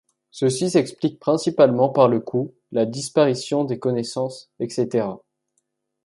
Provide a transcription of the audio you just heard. Ceci s'explique principalement par le coût, la disparition des connaissances etc.